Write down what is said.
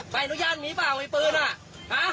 ไปอนุญาตมีเปล่ามีปืนอะ